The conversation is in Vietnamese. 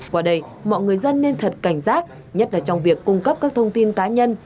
qua đây mọi người dân nên thật cảnh giác nhất là trong việc cung cấp các thông tin cá nhân